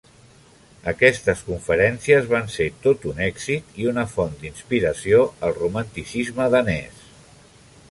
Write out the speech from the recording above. Aquestes conferències van ser tot un èxit i una font d'inspiració al Romanticisme danès.